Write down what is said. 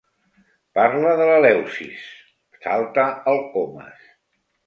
Parla de l'Eleusis! —salta el Comas.